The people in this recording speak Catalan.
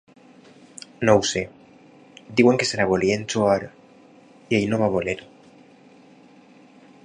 No ho sé… Diuen que se la volien jugar i ell no va voler.